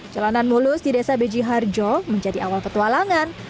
jalanan mulus di desa bejiharjo menjadi awal petualangan